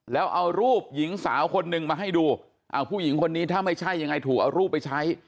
แล้วเอารูปหญิงสาวคนหนึ่งมาให้ดูผู้หญิงคนนี้ถ้าไม่ใช่ยังไงถูกเอารูปไปใช้